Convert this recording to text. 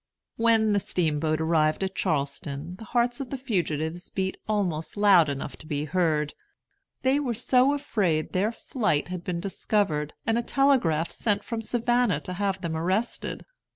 When the steamboat arrived at Charleston, the hearts of the fugitives beat almost loud enough to be heard; they were so afraid their flight had been discovered, and a telegraph sent from Savannah to have them arrested.